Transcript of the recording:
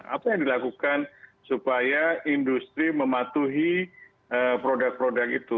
apa yang dilakukan supaya industri mematuhi produk produk itu